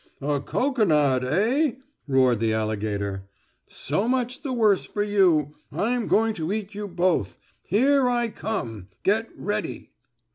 "A cocoanut, eh?" roared the alligator. "So much the worse for you! I'm going to eat you both. Here I come! Get ready!"